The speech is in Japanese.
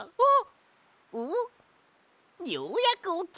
おっようやくおきた！